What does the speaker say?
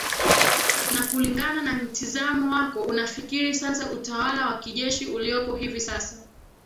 na kulingana na mtizamo wako unafikiri sasa utawala wa kijeshi uliopo hivi sasa